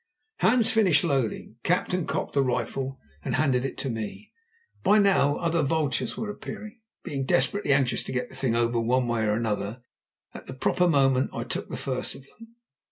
Hans finished loading, capped and cocked the rifle, and handed it to me. By now other vultures were appearing. Being desperately anxious to get the thing over one way or another, at the proper moment I took the first of them.